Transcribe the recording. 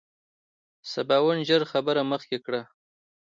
سباوون ژر خبره مخکې کړه.